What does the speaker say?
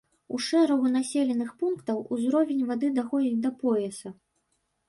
У шэрагу населеных пунктаў ўзровень вады даходзіць да пояса.